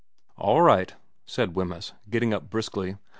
' All right,' said Wemyss, getting up briskly.